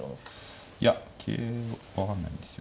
いや桂分かんないんですよ。